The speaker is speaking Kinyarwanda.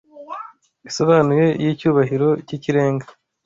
isobanuye y’icyubahiro cy’ikirenga